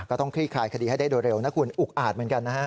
ก็ต้องคลี่ขายคดีให้ได้เร็วนะคุณอุกอาจเหมือนกันนะฮะ